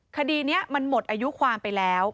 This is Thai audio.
คดีนี้มันหมดอายุความไปแล้ว